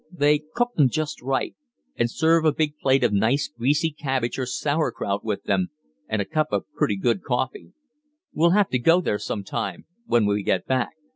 They cook them just right, and serve a big plate of nice greasy cabbage or sauerkraut with them, and a cup of pretty good coffee. We'll have to go there some time when we get back."